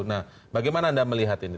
nah bagaimana anda melihat ini